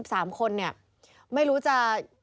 เขาเชื่อว่าทั้ง๑๓คน